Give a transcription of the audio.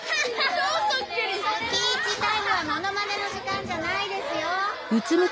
スピーチタイムはものまねの時間じゃないですよ！